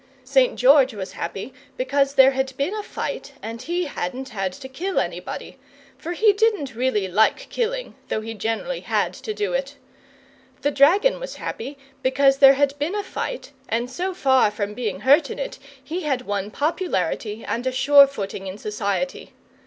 St George was happy because there had been a fight and he hadn't had to kill anybody; for he didn't really like killing, though he generally had to do it. The dragon was happy because there had been a fight, and so far from being hurt in it he had won popularity and a sure footing in society.